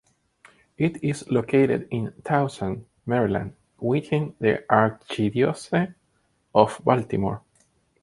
It is located in Towson, Maryland, within the Archdiocese of Baltimore.